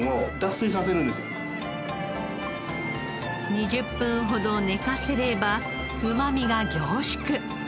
２０分ほど寝かせればうまみが凝縮。